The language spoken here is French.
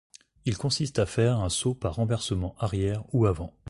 Il consiste à faire un saut par renversement arrière ou avant.